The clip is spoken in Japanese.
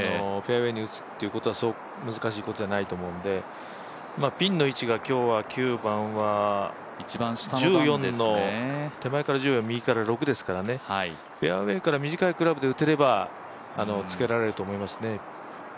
フェアウエーに打つということはそう難しいことじゃないと思うんでピンの位置が９番は手前から１４右から６ですからフェアウエーから短いクラブで打てばつけられると思いますね。